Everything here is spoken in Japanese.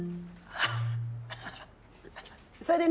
ああ！